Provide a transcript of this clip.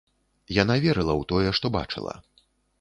Яна верыла ў тое, што бачыла.